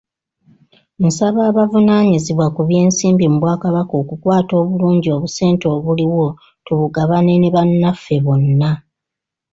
Nsaba abavunaanyizibwa ku by'ensimbi mu Bwakabaka okukwata obulungi obusente obuliwo tubugabane ne bannaffe bonna.